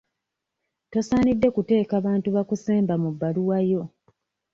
Tosaanidde kuteeka bantu bakusemba mu bbaluwa yo.